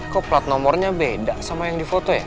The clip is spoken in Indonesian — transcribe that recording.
kok plat nomornya beda sama yang di foto ya